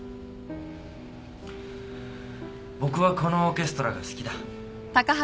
僕はこのオーケストラが好きだ。